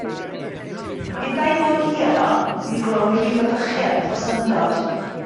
Gyda'i bod hi yno, mi glywn rhyw ebychiad o syndod.